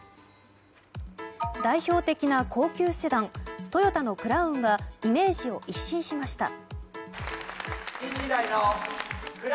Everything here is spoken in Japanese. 代表的な高級セダントヨタのクラウンがイメージを一新しました。